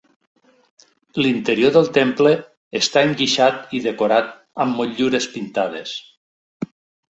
L'interior del temple està enguixat i decorat amb motllures pintades.